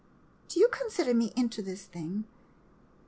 ] Do you consider me into this thing